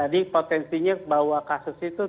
jadi potensinya bahwa kasus itu